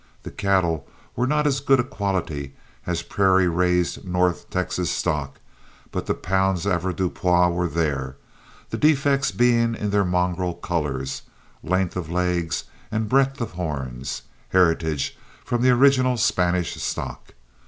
The cattle were not as good a quality as prairie raised north Texas stock, but the pounds avoirdupois were there, the defects being in their mongrel colors, length of legs, and breadth of horns, heritages from the original Spanish stock.